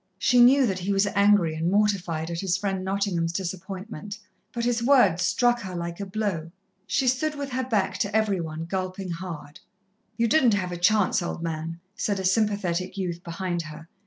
She knew that he was angry and mortified at his friend Nottingham's disappointment, but his words struck her like a blow. She stood with her back to every one, gulping hard. "You didn't have a chance, old man," said a sympathetic youth behind her.